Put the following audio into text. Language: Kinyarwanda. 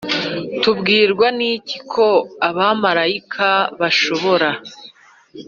Tubwirwa n iki ko abamarayika bashobora